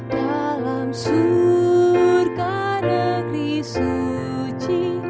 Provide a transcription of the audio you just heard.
dalam surga negeri suci